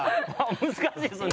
難しいですね。